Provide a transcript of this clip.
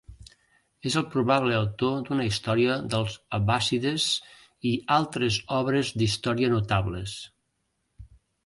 És el probable autor d'una història dels abbàssides i altres obres d'història notables.